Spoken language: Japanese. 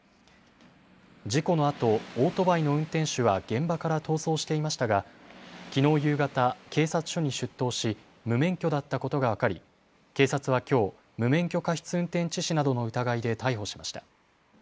事故のあと、オートバイの運転手は現場から逃走していましたがきのう夕方、警察署に出頭し無免許だったことが分かり警察はきょう無免許過失運転致死などの疑いで逮捕しました。